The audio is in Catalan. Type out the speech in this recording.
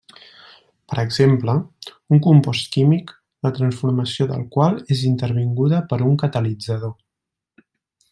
Per exemple, un compost químic la transformació del qual és intervinguda per un catalitzador.